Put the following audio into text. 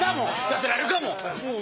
やってられるかもう！